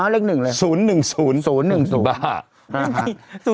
อ๋อเล็กหนึ่งเลย